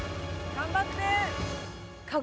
頑張って！